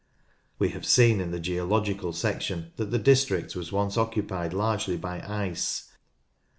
We have seen in the geological section that the district was once occupied largely by ice.